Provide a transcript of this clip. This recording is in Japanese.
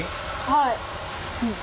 はい。